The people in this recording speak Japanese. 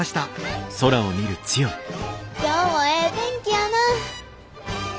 今日もええ天気やな。